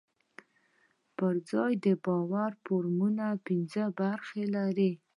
پر ځان د باور فورمول پينځه برخې لري.